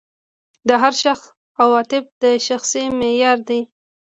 د هر شخص عواطف د تشخیص معیار دي.